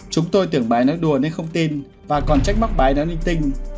chúng tôi tưởng bà ấy nói đùa nên không tin và còn trách mắc bà ấy nói ninh tinh